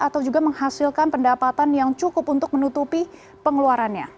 dan juga menghasilkan pendapatan yang cukup untuk menutupi pengeluarannya